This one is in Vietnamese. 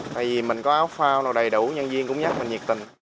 tại vì mình có áo phao nào đầy đủ nhân viên cũng nhắc mình nhiệt tình